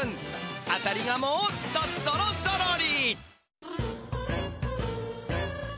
当たりがもっとぞろぞろり！